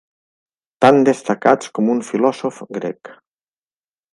Tan destacats com un filòsof grec.